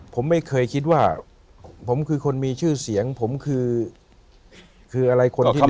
ผมไม่เคยคิดว่าผมคือคนมีชื่อเสียงผมคือคืออะไรคนที่ดี